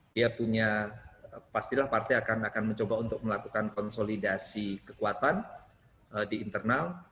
dia punya pastilah partai akan mencoba untuk melakukan konsolidasi kekuatan di internal